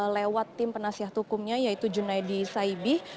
lewat tim penasihat hukumnya yaitu junaidi saibih